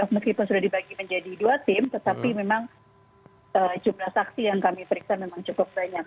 meskipun sudah dibagi menjadi dua tim tetapi memang jumlah saksi yang kami periksa memang cukup banyak